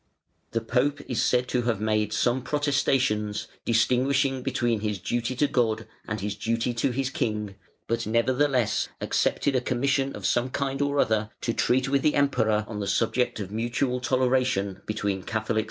The Pope is said to have made some protestations, distinguishing between his duty to God and his duty to his king, but nevertheless accepted a commission of some kind or other to treat with the Emperor on the subject of mutual toleration between Catholics and Arians.